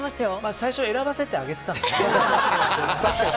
最初は選ばせてあげてたんでね。